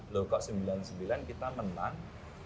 loh kok sembilan puluh sembilan kita menang